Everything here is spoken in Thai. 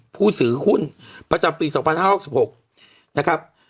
ผู้สือหุ้นประจำปีสองพันห้าหกสิบหกนะครับ